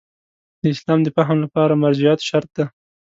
د اسلام د فهم لپاره مرجعیت شرط دی.